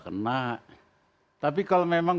kena tapi kalau memang